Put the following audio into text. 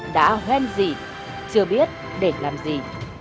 đã hoen gì chưa biết để làm gì